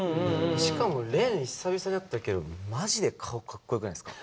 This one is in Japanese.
しかも廉久々に会ったけどマジで顔かっこよくないですか？